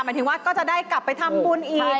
หมายถึงว่าก็จะได้กลับไปทำบุญอีก